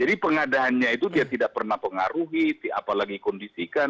jadi pengadahannya itu dia tidak pernah mempengaruhi apalagi kondisikan